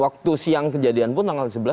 waktu siang kejadian pun tanggal sebelas